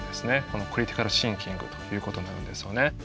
このクリティカル・シンキングということになるんですよね。